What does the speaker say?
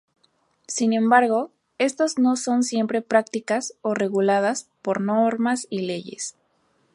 Sin embargo, estas no son siempre prácticas o reguladas por normas y leyes.